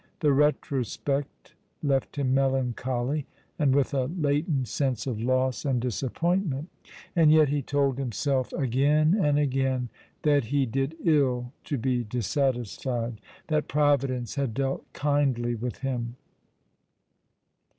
The retrospect left him melancholy, and with a latent sense of loss and dis 132 All along the River, appointment ; and yet lie told himself again and again that he did ill to be dissatisfied, that Providence had dealt kindly with him.